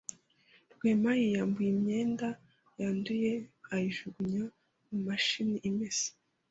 Rwema yiyambuye imyenda yanduye ayijugunya mu mashini imesa.